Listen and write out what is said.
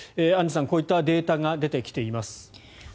アンジュさんこういったデータが出てきています。